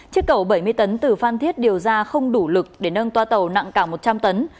chiếc cầu bảy mươi tấn từ phan thiết điều ra không đủ lực để nâng toa tàu nặng cả một trăm linh tấn